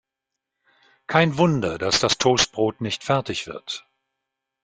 Kein Wunder, dass das Toastbrot nicht fertig wird.